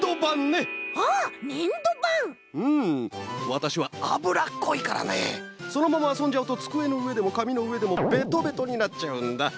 わたしはあぶらっこいからねそのままあそんじゃうとつくえのうえでもかみのうえでもベトベトになっちゃうんだ。